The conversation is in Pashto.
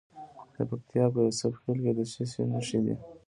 د پکتیکا په یوسف خیل کې د څه شي نښې دي؟